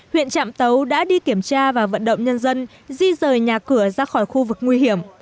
huyện trạm tấu đã đi kiểm tra và vận động nhân dân di rời nhà cửa ra khỏi khu vực nguy hiểm